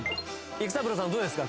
育三郎さんどうですか？